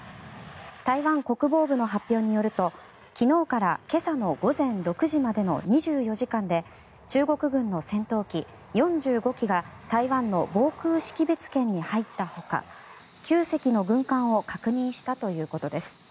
台湾国防部の発表によると昨日から今朝の午前６時までの２４時間で中国軍の戦闘機４５機が台湾の防空識別圏に入ったほか９隻の軍艦を確認したということです。